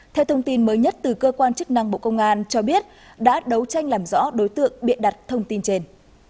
theo thông tin mới nhất từ cơ quan chức năng bộ công an cho biết đã đấu tranh làm rõ đối tượng biện đặt thông tin trên